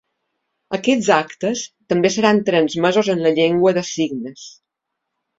Aquests actes també seran transmesos en la llengua de signes.